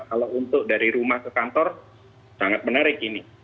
kalau untuk dari rumah ke kantor sangat menarik ini